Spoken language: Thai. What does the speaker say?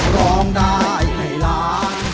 ร้องได้ให้ล้าน